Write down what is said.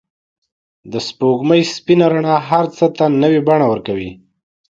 د سپوږمۍ سپین رڼا هر څه ته نوی بڼه ورکوي.